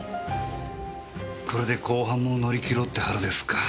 これで公判も乗り切ろうって腹ですか。